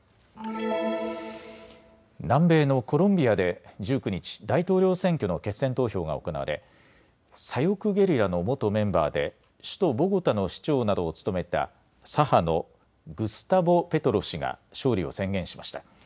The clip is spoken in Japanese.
南米のコロンビアで１９日、大統領選挙の決選投票が行われ左翼ゲリラの元メンバーで首都ボゴタの市長などを務めた左派のグスタボ・ペトロ氏が勝利を宣言しました。